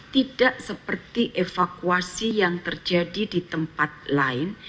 tidak seperti evakuasi yang terjadi di tempat lain